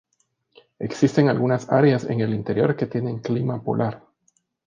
Existen algunas áreas en el interior que tienen clima polar.